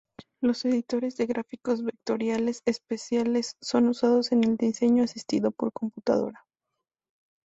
Los editores de gráficos vectoriales especiales son usados en el diseño asistido por computadora.